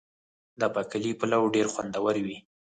د باقلي پلو ډیر خوندور وي.